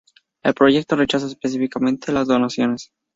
El proyecto rechaza específicamente las donaciones.